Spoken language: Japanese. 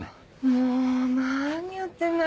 もう何やってんのよ